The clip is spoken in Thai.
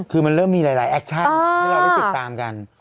คือมันเริ่มมีหลายแอคชั่นให้เราได้ติดตามกัน